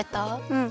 うん。